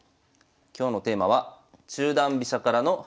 今日のテーマは「中段飛車からの端攻め」です。